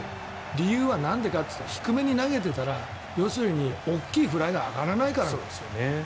理由はなんでかというと低めに投げていたら要するに、大きいフライが上がらないからなんですよ。